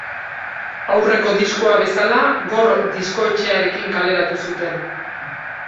Aurreko diskoa bezala, Gor Diskoetxearekin kaleratu zuten.